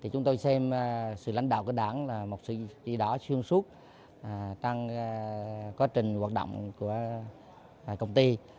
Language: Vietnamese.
chúng tôi xem sự lãnh đạo của đảng là một sự chỉ đỏ xuyên suốt trong quá trình hoạt động của công ty